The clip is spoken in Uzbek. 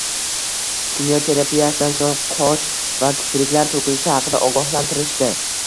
Kimyo terapiyasidan so`ng qosh va kipriklar to`kilishi haqida ogohlantirishdi